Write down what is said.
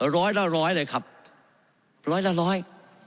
ร้อยละร้อยเลยครับร้อยละร้อย